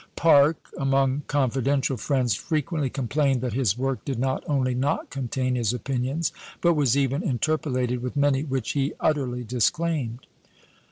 Park, among confidential friends, frequently complained that his work did not only not contain his opinions, but was even interpolated with many which he utterly disclaimed!